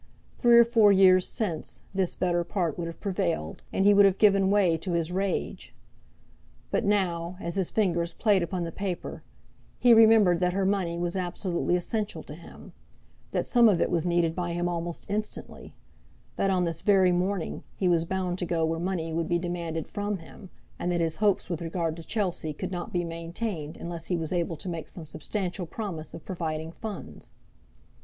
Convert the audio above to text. Three or four years since, this better part would have prevailed, and he would have given way to his rage. But now, as his fingers played upon the paper, he remembered that her money was absolutely essential to him, that some of it was needed by him almost instantly, that on this very morning he was bound to go where money would be demanded from him, and that his hopes with regard to Chelsea could not be maintained unless he was able to make some substantial promise of providing funds.